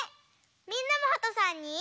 みんなもはとさんに。